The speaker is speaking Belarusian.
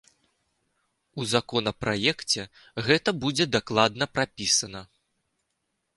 У законапраекце гэта будзе дакладна прапісана.